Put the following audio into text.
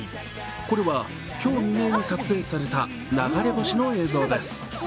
これは今日未明に撮影された流れ星の映像です。